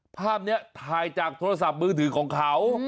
ภาพนี้ถ่ายจากโทรศัพท์มือถือของเขา